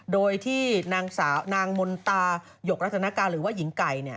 โดยที่นางมนตาหยกรักษณกาลหรือว่าหิงไก่